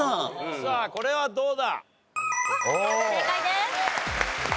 さあこれどうだ？